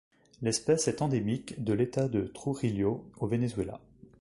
L'espèce est endémique de l'État de Trujillo au Venezuela.